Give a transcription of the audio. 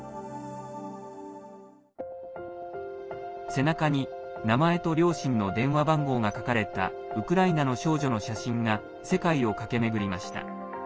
背中に名前と両親の電話番号が書かれたウクライナの少女の写真が世界を駆け巡りました。